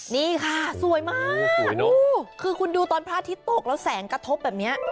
นี่ค่ะสวยมากคือคุณดูตอนพระอาทิตย์ตกแล้วแสงกระทบแบบนี้